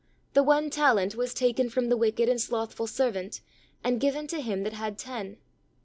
The one talent was taken from the "wicked and slothful servant," and given to him that had ten.